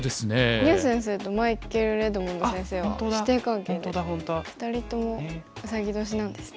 牛先生とマイケルレドモンド先生は師弟関係で２人ともウサギ年なんですね。